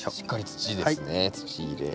土です。